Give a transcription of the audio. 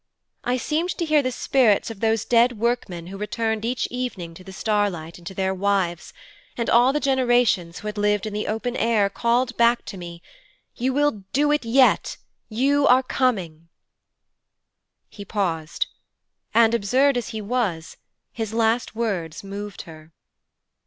I seemed to hear the spirits of those dead workmen who had returned each evening to the starlight and to their wives, and all the generations who had lived in the open air called back to me, "You will do it yet, you are coming,"' He paused, and, absurd as he was, his last words moved her.